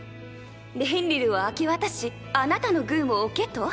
レンリルを明け渡しあなたの軍を置けと？